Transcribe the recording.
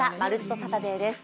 サタデー」です。